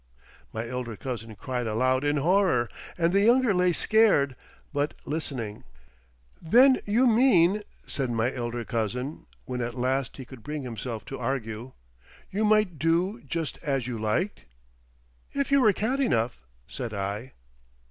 My elder cousin cried aloud in horror, and the younger lay scared, but listening. "Then you mean," said my elder cousin, when at last he could bring himself to argue, "you might do just as you liked?" "If you were cad enough," said I.